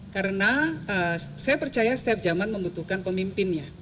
karena saya percaya setiap zaman membutuhkan pemimpinnya